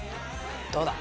どうだ。